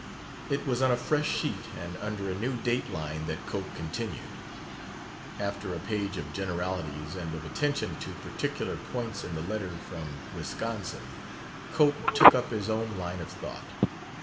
It was on a fresh sheet and under a new date line that Cope continued. After a page of generalities and of attention to particular points in the letter from Wisconsin, Cope took up his own line of thought.